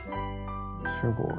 すごい。